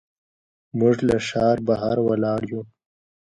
موږ له ښار بهر ولاړ یو.